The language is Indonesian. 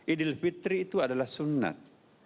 idul fitri itu adalah sunat